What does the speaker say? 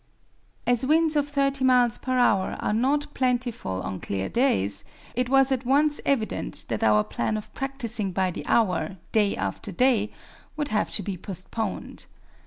As winds of 30 miles per hour are not plentiful on clear days, it was at once evident that our plan of practicing by the hour, day after day, would have to be postponed.